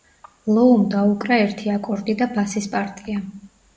ლოუმ დაუკრა ერთი აკორდი და ბასის პარტია.